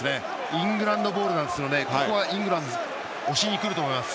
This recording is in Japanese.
イングランドボールなのでここはイングランド押しに来ると思います。